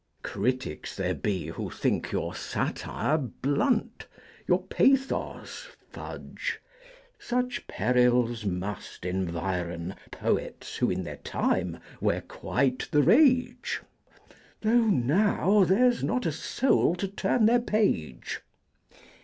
Critics there be who think your satin blunt, Your pathos, fudge; such perils must environ Poets who in their time were quite the rage, Though now there's not a soul to turn their page.